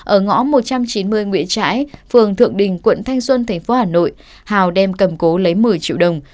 ở ngõ một trăm chín mươi nguyễn trãi phường thượng đình quận thanh xuân tp hà nội hào đem cầm cố lấy một mươi triệu đồng